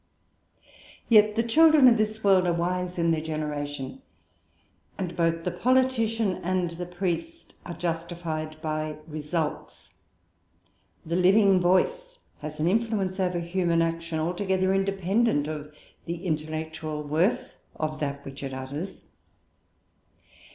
Yet the children of this world are wise in their generation; and both the politician and the priest are justified by results. The living voice has an influence over human action altogether independent of the intellectual worth of that which it utters.